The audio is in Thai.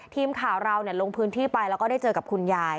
ทีมข่าวเราลงพื้นที่ไปแล้วก็ได้เจอกับคุณยาย